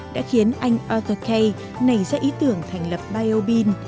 đã khiến anh arthur kay nảy ra ý tưởng thành lập biobin